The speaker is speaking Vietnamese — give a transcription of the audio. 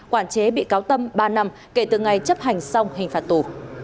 quản chế bị cáo tâm ba năm kể từ ngày chấp hành xong hình phạt tù